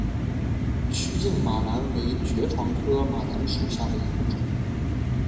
曲茎马蓝为爵床科马蓝属下的一个种。